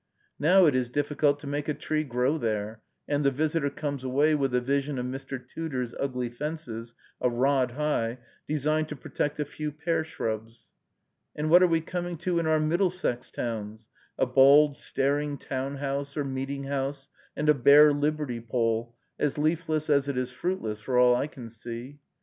Now it is difficult to make a tree grow there, and the visitor comes away with a vision of Mr. Tudor's ugly fences, a rod high, designed to protect a few pear shrubs. And what are we coming to in our Middlesex towns? A bald, staring town house, or meeting house, and a bare liberty pole, as leafless as it is fruitless, for all I can see.